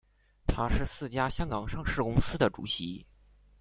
他是四家香港上市公司的主席。